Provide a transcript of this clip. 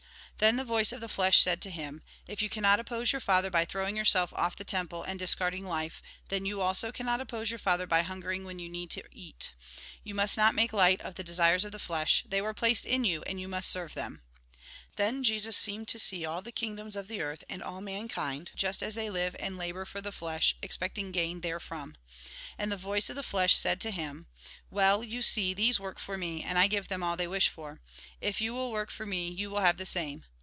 Then the voice of the flesh said to him :" If you cannot oppose your Father by throwing yourself off the temple and discarding life, then you also cannot oppose your Father by hungering when you need to eat. You must not make light of the desires of the flesh ; they were placed in you, and you must serve them." Then Jesus seemed to see all the kingdoms of the earth, and all mankind, just Lk. iv. 3. THE SON OF GOD 27 Lk. iv. 6. 13. 14. Jn. i. 35. 42. as they live and labour for the flesh, expecting gain therefrom. And the voice of the flesh said to him :" Well, you see, these work for me, and I give them all they wish for. If you will work for me, you will have the same."